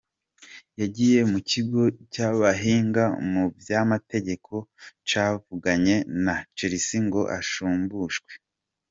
Yagiye mu kigo c'abahinga mu vy'amategeko cavuganye na Chelsea ngo ashumbushwe.